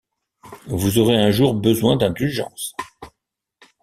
Vous aurez un jour besoin d’indulgence.